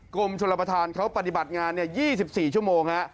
กรมชนประธานเขาปฏิบัติงาน๒๔ชั่วโมง